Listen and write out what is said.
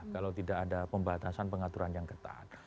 kalau tidak ada pembatasan pengaturan yang ketat